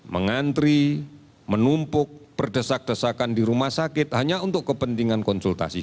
mengantri menumpuk berdesak desakan di rumah sakit hanya untuk kepentingan konsultasi